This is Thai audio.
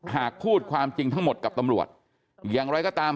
หากพูดความจริงทั้งหมดกับตำรวจอย่างไรก็ตาม